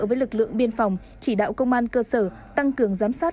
với lực lượng biên phòng chỉ đạo công an cơ sở tăng cường giám sát